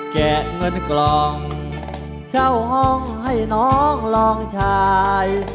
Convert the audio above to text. แกะเงินกล่องเช่าห้องให้น้องลองชาย